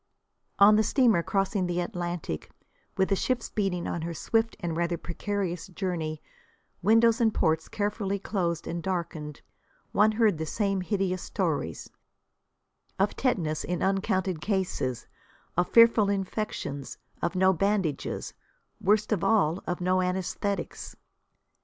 On the steamer crossing the Atlantic, with the ship speeding on her swift and rather precarious journey windows and ports carefully closed and darkened, one heard the same hideous stories: of tetanus in uncounted cases, of fearful infections, of no bandages worst of all, of no anæsthetics.